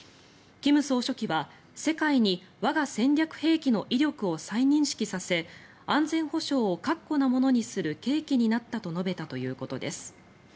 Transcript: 金総書記は世界に我が戦略兵器の威力を再認識させ安全保障を確固なものにする契機になったと述べたということです。